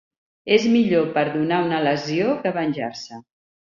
És millor perdonar una lesió que venjar-se.